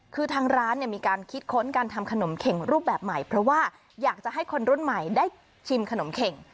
คือทางร้านเนี่ยมีการคิดค้นการทำขนมเข็งรูปแบบใหม่เพราะว่าอยากจะให้คนรุ่นใหม่ได้ชิมขนมเข็ง